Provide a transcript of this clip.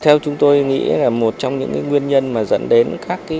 theo chúng tôi nghĩ là một trong những nguyên nhân mà dẫn đến các khu đô thị